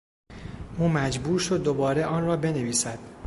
او مجبور شد دوباره آن را بنویسد.